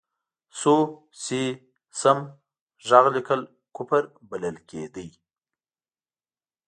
سو، سي، سم، ږغ لیکل کفر بلل کېده.